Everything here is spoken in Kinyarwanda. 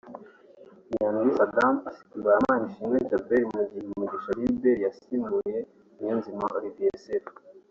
Nyandwi Saddam asimbura Manishimwe Djabel mu gihe Mugisha Gilbert yasimbuye Niyonzima Olivier Sefu